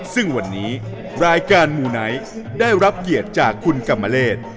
ซึ่งวันนี้รายการมูไนท์ได้รับเกียรติจากคุณกรรมเลศ